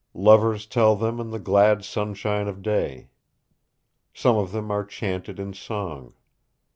Lovers tell them in the glad sunshine of day. Some of them are chanted in song.